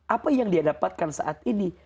apa yang dia dapatkan saat ini